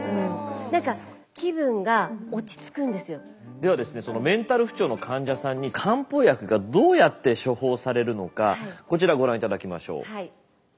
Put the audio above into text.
何かではですねそのメンタル不調の患者さんに漢方薬がどうやって処方されるのかこちらご覧いただきましょう。